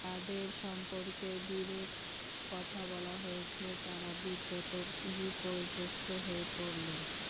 যাঁদের সম্পর্কে বিরূপ কথা বলা হয়েছে, তাঁরা বিব্রত, বিপর্যস্ত হয়ে পড়লেন।